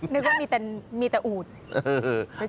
นึกว่ามีแต่อูด